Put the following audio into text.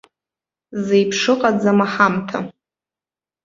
Зеиԥшыҟаӡам аҳамҭа.